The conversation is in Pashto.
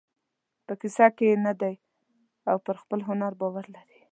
په کیسه کې یې نه دی او پر خپل هنر باور لري.